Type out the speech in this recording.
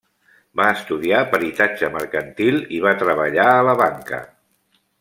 Va estudiar peritatge mercantil i va treballar a la banca.